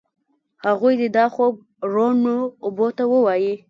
هغوی دي دا خوب روڼو اوبو ته ووایي